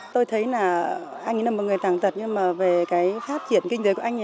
tôi thấy là anh như là một người tàng tật nhưng mà về cái phát triển kinh tế của anh